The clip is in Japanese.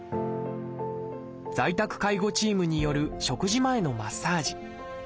在宅介護チームによる食事前のマッサージ。